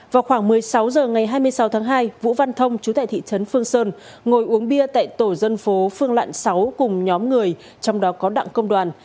vào khoảng một mươi sáu h ngày hai mươi sáu tháng hai vũ văn thông chú tại thị trấn phương sơn ngồi uống bia tại tổ dân phố phương lạn sáu cùng nhóm người trong đó có đặng công đoàn